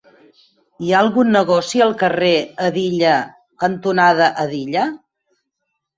Hi ha algun negoci al carrer Hedilla cantonada Hedilla?